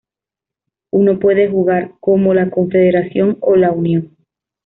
Uno puede jugar como la Confederación o la Unión.